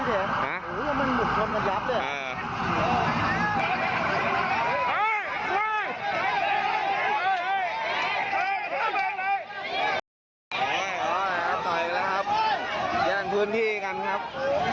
ต่อยแล้วครับแย่งพื้นที่กันครับ